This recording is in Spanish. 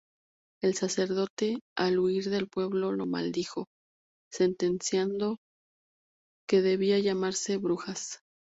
El sacerdote, al huir del pueblo lo maldijo, sentenciando que debía llamarse Brujas.